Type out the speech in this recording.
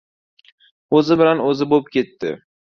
O‘zi bilan o‘zi bo‘p ketdi.